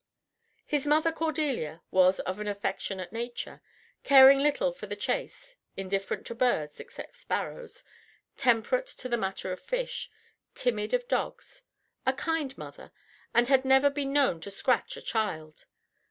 His mother Cordelia was of an affectionate nature, caring little for the chase, indifferent to birds (except sparrows), temperate in the matter of fish, timid of dogs, a kind mother, and had never been known to scratch a child.